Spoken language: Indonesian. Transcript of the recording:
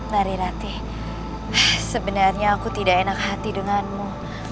ngeri rate sebenarnya aku tidak enak hati denganmu